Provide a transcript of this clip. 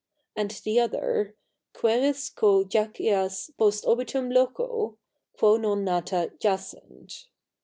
And the other : Quoeris quo jaceas post obitum loco ? Quo non nata jacent.